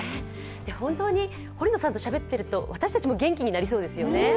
本当に堀野さんとしゃべってると私たちも元気になりそうですよね。